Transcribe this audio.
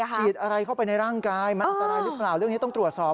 ฉีดอะไรเข้าไปในร่างกายมันอันตรายหรือเปล่าเรื่องนี้ต้องตรวจสอบ